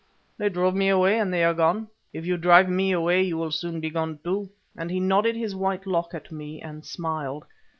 They drove me away, and they are gone. If you drive me away you will soon be gone too," and he nodded his white lock at me and smiled.